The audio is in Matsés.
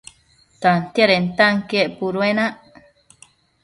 Tantiadentanquien puduenac